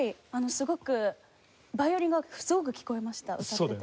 すごくヴァイオリンがすごく聞こえました歌ってて。